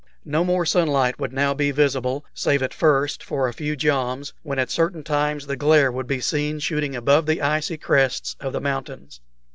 No more sunlight would now be visible, save at first for a few joms, when at certain times the glare would be seen shooting up above the icy crests of the mountains.